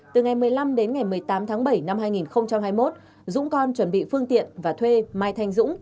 từ ngày một mươi năm đến ngày một mươi tám tháng bảy năm hai nghìn hai mươi một dũng con chuẩn bị phương tiện và thuê mai thanh dũng